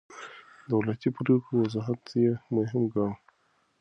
د دولتي پرېکړو وضاحت يې مهم ګاڼه.